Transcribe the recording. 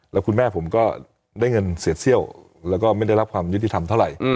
แล้วคุณแม่ผมก็ได้เงินเสียเซี่ยวแล้วก็ไม่ได้รับความยุติธรรมเท่าไหร่